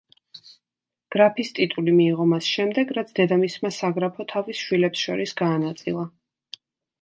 გრაფის ტიტული მიიღო მას შემდეგ, რაც დედამისმა საგრაფო თავის შვილებს შორის გაანაწილა.